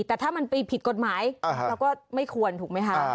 แต่ถ้ามันไปผิดกฎหมายเราก็ไม่ควรถูกไหมคะ